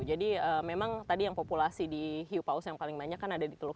jadi memang tadi yang populasi di hiu paus yang paling banyak kan ada di teluk